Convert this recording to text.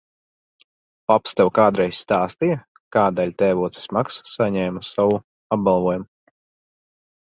Paps tev kādreiz stāstīja, kādēļ tēvocis Maks saņēma savu apbalvojumu?